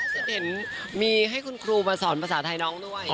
ฉันเห็นมีให้คุณครูมาสอนภาษาไทยน้องด้วย